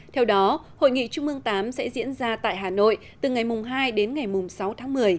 theo đó hội nghị trung ương viii sẽ diễn ra tại hà nội từ ngày mùng hai đến ngày mùng sáu tháng một mươi